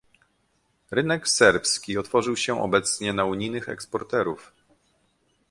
Rynek serbski otworzył się obecnie na unijnych eksporterów